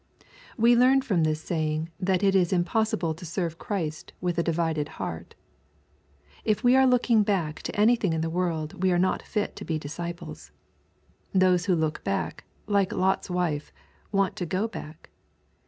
We learn from this saying that it is impossible to serve Christ with a divided heart. If we are looking back to anything in this world we are not fit to be disciples. Those who look back, like Lot's wife, want to go back.